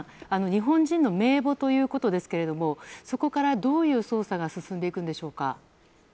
日本人の名簿ということですがそこから、どういう捜査が進んでいくんでしょうか。